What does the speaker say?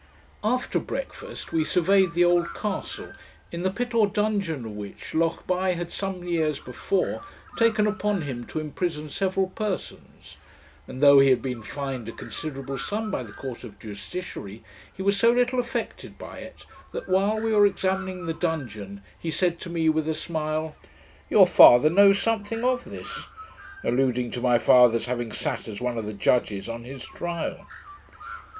After breakfast, we surveyed the old castle, in the pit or dungeon of which Lochbuy had some years before taken upon him to imprison several persons; and though he had been fined a considerable sum by the Court of Justiciary, he was so little affected by it, that while we were examining the dungeon, he said to me, with a smile, 'Your father knows something of this' (alluding to my father's having sat as one of the judges on his trial).